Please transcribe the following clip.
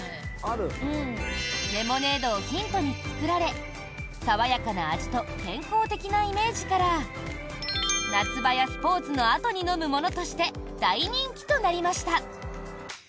レモネードをヒントに作られ爽やかな味と健康的なイメージから夏場やスポーツのあとに飲むものとして大人気となりました。